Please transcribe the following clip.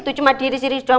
itu cuma diiris iris doang